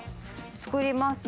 作ります。